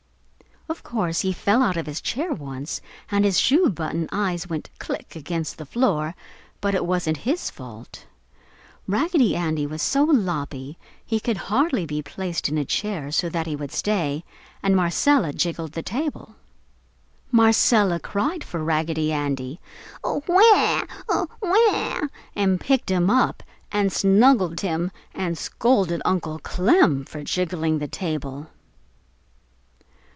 Of course, he fell out of his chair once, and his shoe button eyes went "Click!" against the floor, but it wasn't his fault. Raggedy Andy was so loppy he could hardly be placed in a chair so that he would stay, and Marcella jiggled the table. Marcella cried for Raggedy Andy, "AWAA! AWAA!" and picked him up and snuggled him and scolded Uncle Clem for jiggling the table.